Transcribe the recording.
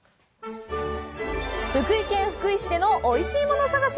福井県福井市でのおいしいもの探し。